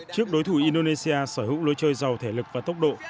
trước đối thủ indonesia sở hữu lối chơi giàu thể lực và tốc độ